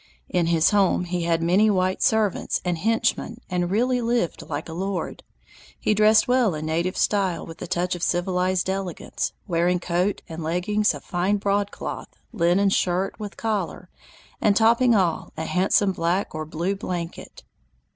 In his home he had many white servants and henchmen and really lived like a lord. He dressed well in native style with a touch of civilized elegance, wearing coat and leggings of fine broadcloth, linen shirt with collar, and, topping all, a handsome black or blue blanket.